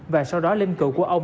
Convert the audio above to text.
và sau đó linh cựu của ông